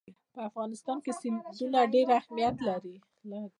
په افغانستان کې سیندونه ډېر اهمیت لري.